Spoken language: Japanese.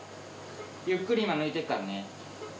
ゆっくり今、抜いているからね。